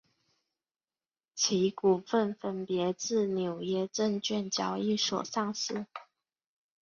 其股份分别自纽约证券交易所上市。